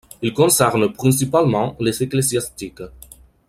Il concerne principalement les ecclésiastiques.